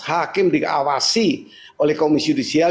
hakim diawasi oleh komisi judisial